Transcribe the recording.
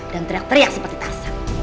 dan teriak teriak seperti tarsan